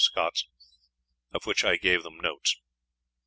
Scots, of which I gave them notes.